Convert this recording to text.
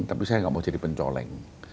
tapi saya nggak mau jadi pencoleng